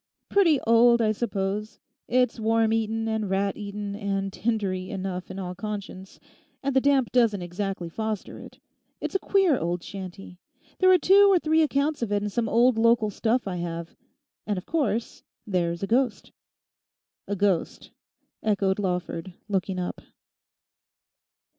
'Pretty old, I suppose; it's worm eaten and rat eaten and tindery enough in all conscience; and the damp doesn't exactly foster it. It's a queer old shanty. There are two or three accounts of it in some old local stuff I have. And of course there's a ghost.' 'A ghost?' echoed Lawford, looking up.